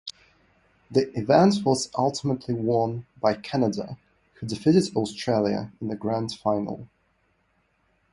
The event was ultimately won by Canada, who defeated Australia in the Grand Final.